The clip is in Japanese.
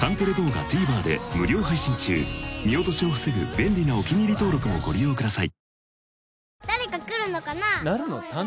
見落としを防ぐ便利なお気に入り登録もご利用ください。